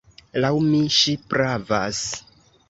Laŭ mi, ŝi pravas.